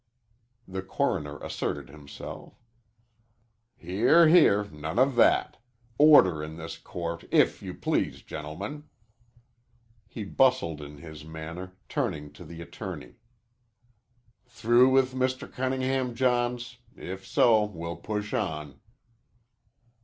The coroner asserted himself. "Here, here, none of that! Order in this court, if you please, gentlemen." He bustled in his manner, turning to the attorney. "Through with Mr. Cunningham, Johns? If so, we'll push on."